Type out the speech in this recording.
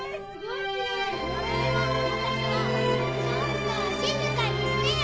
ちょっと静かにしてよ。